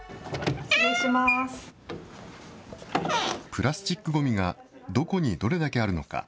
プラスチックごみがどこにどれだけあるのか。